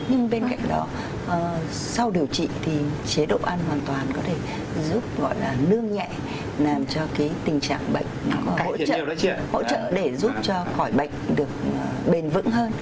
nhưng bên cạnh đó sau điều trị thì chế độ ăn hoàn toàn có thể giúp gọi là nương nhẹ làm cho cái tình trạng bệnh hỗ trợ để giúp cho khỏi bệnh được bền vững hơn